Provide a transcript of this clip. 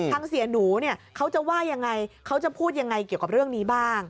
เสียหนูเนี่ยเขาจะว่ายังไงเขาจะพูดยังไงเกี่ยวกับเรื่องนี้บ้าง